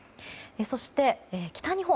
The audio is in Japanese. そして、北日本